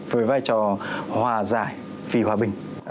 với vai trò hòa giải vì hòa bình